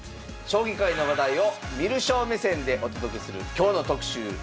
将棋界の話題を観る将目線でお届けする「今日の特集」。